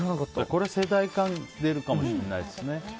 これ世代間出るかもしれないですね。